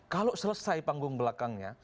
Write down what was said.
kalau selesai panggung belakangnya